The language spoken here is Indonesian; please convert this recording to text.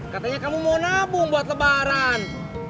katanya kamu mau nabung buat lebaran